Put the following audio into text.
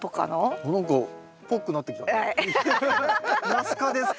ナス科ですか？